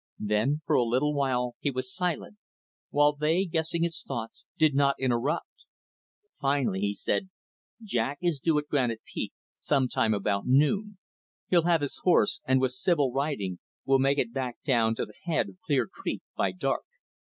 Then, for a little while he was silent, while they, guessing his thoughts, did not interrupt. Finally, he said, "Jack is due at Granite Peak, sometime about noon. He'll have his horse, and with Sibyl riding, we'll make it back down to the head of Clear Creek by dark.